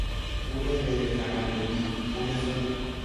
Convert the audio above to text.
پول غیر تقلبی، پول خوب